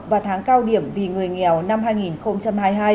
và tháng cao điểm vì người nghèo năm hai nghìn hai mươi hai